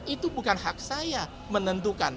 itu bukan hak saya menentukan